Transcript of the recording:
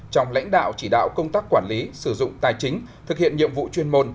trong lãnh đạo chỉ đạo công tác quản lý sử dụng tài chính thực hiện nhiệm vụ chuyên môn